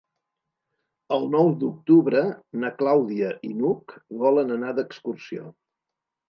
El nou d'octubre na Clàudia i n'Hug volen anar d'excursió.